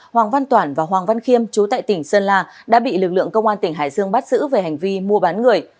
hoàng văn toản và hoàng văn khiêm chú tại tỉnh sơn la đã bị lực lượng công an tỉnh hải dương bắt giữ về hành vi mua bán người